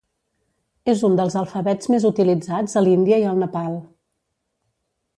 És un dels alfabets més utilitzats a l'Índia i al Nepal.